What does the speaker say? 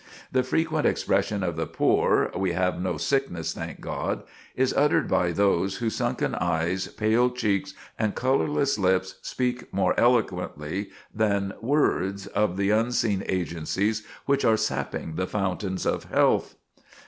The frequent expression of the poor, "We have no sickness, thank God," is uttered by those whose sunken eyes, pale cheeks, and colorless lips speak more eloquently than words, of the unseen agencies which are sapping the fountains of health.